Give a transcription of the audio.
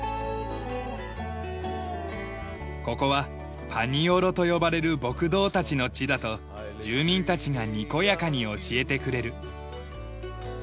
ここはパニオロと呼ばれる牧童たちの地だと住民たちがにこやかに教えてくれる。